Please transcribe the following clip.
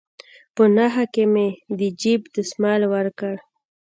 په نخښه كښې مې د جيب دسمال وركړ.